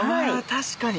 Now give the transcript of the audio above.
確かに。